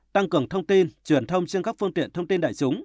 tăng cường thông tin truyền thông trên các phương tiện thông tin đại chúng